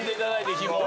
ヒモを。